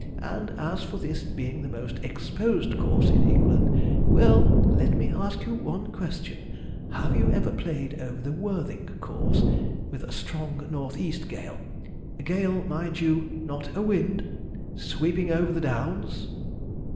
And as for this being the most exposed course in England well, let me ask you one question: have you ever played over the Worthing course with a strong northeast gale a gale, mind you, not a wind sweeping over the Downs?"